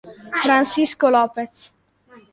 Francisco López